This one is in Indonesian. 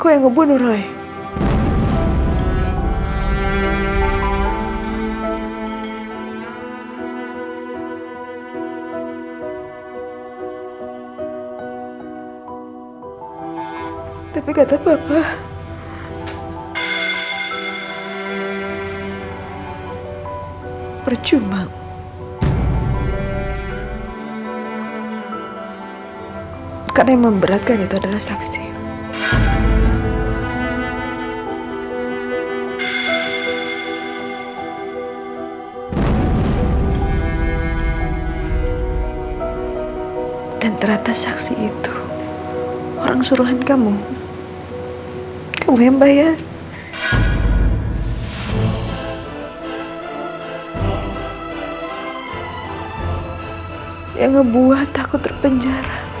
yang ngebuat kehidupan aku joyla